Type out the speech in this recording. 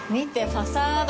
ファサード。